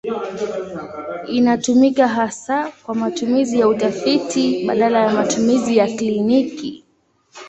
Inatumika hasa kwa matumizi ya utafiti badala ya mazoezi ya kliniki.